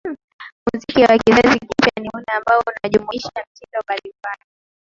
Muziki wa kizazi kipya ni ule ambao unajumuisha mitindo mbali mbali